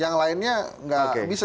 yang lainnya enggak bisa